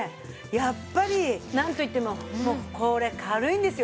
やっぱりなんといってもこれ軽いんですよ